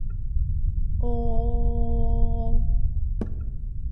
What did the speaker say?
おおおおお